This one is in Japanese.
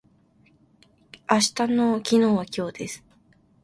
明日の昨日は今日です。